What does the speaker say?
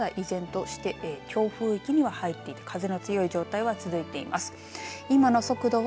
ただ、依然として強風域には入っていて風の強い状態は続いています。